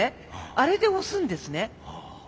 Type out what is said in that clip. あれで押すんですね。